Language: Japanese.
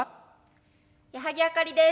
矢作あかりです。